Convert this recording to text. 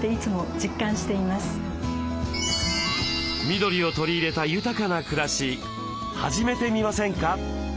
緑を取り入れた豊かな暮らし始めてみませんか？